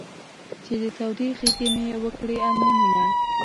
چې د تودې غېږې مې و کړې ارمانونه.